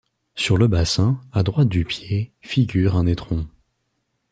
Sur le bassin, à droite du pied, figure un étron.